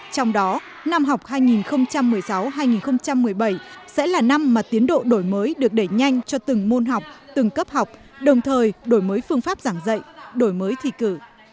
trong đó năm học hai nghìn một mươi sáu hai nghìn một mươi bảy sẽ là năm mà tiến độ đổi mới được đẩy nhanh cho từng môn học từng cấp học đồng thời đổi mới phương pháp giảng dạy đổi mới thi cử